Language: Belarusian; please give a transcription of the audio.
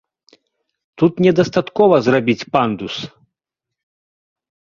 Тут не дастаткова зрабіць пандус.